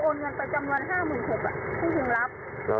พึ่งโอนไปวันที่๖แล้ววันที่๗เป็นวัน๕หมื่น๖